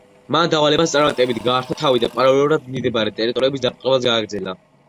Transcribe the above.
მან დავალებას წარმატებით გაართვა თავი და პარალელურად მიმდებარე ტერიტორიების დაპყრობაც გააგრძელა.